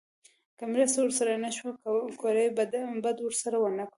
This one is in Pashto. که مرسته ورسره نه شو کولی بد ورسره ونه کړو.